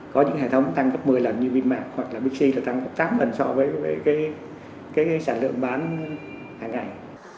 có những hệ thống tăng cấp một mươi lần như vinmax hoặc là bixi là tăng cấp tám lần so với sản lượng bán hàng ngày